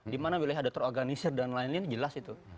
di mana wilayah ada terorganisir dan lain lain jelas itu